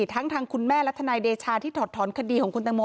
ทั้งทางคุณแม่และทนายเดชาที่ถอดถอนคดีของคุณตังโม